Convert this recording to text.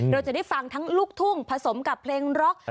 เราจะได้ฟังทั้งลูกทุ่งผสมกับเพลงร็อก